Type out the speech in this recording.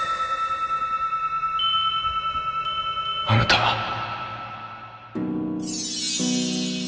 あなたは？